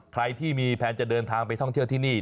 ใครที่มีแพลนจะเดินทางไปท่องเที่ยวที่นี่